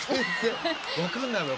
分かんないわよ。